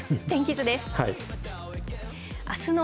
天気図です。